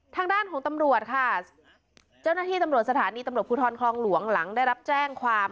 ทางด้านของตำรวจค่ะเจ้าหน้าที่ตำรวจสถานีตำรวจภูทรคลองหลวงหลังได้รับแจ้งความ